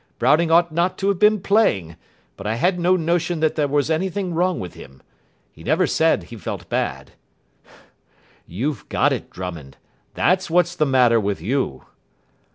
Browning ought not to have been playing, but I had no notion that there was anything wrong with him. He never said he felt bad.' You've got it, Drummond. That's what's the matter with you."